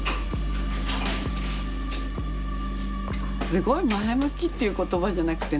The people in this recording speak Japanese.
すごい前向きっていう言葉じゃなくて何ていうかな